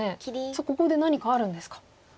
ここで何かあるんですか。